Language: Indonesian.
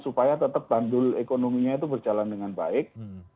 supaya tetap bandul ekonominya itu berjalan dengan baik